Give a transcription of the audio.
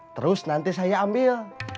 terus nanti saya ambil